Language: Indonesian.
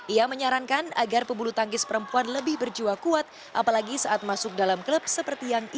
ia menyarankan agar pebulu tangkis perempuan lebih berjiwa kuat apalagi saat masuk dalam klub seperti yang ia